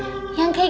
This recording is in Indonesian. mams udah ngasih tau